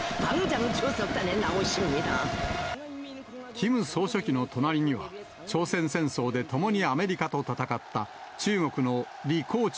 キム総書記の隣には、朝鮮戦争で共にアメリカと戦った中国の李鴻忠